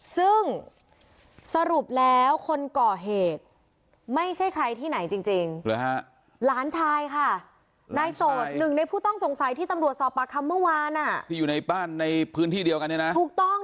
ซึ่งสรุปแล้วคนก่อเหตุไม่ใช่ใครที่ไหนจริง